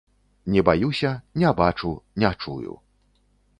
Не баюся, не бачу, не чую.